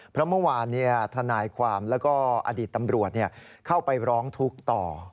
เพราะเมื่อวานทนายความแล้วก็อดีตตำรวจเข้าไปร้องทุกข์ต่อ